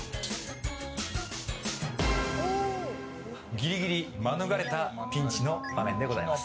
ギリギリ免れたピンチの場面でございます。